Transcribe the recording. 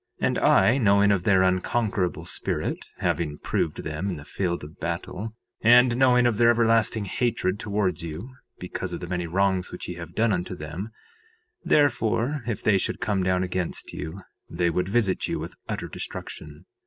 3:4 And I, knowing of their unconquerable spirit, having proved them in the field of battle, and knowing of their everlasting hatred towards you because of the many wrongs which ye have done unto them, therefore if they should come down against you they would visit you with utter destruction.